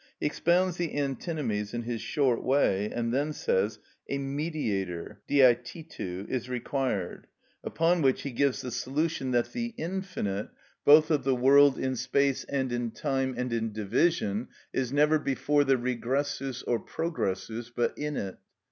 He expounds the antinomies in his short way, and then says, "A mediator (διαιτητου) is required;" upon which he gives the solution that the infinite, both of the world in space and in time and in division, is never before the regressus, or progressus, but in it.